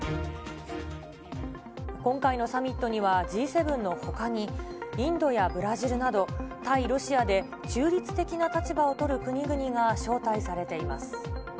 今回のサミットには、Ｇ７のほかに、インドやブラジルなど、対ロシアで中立的な立場を取る国々が招待されています。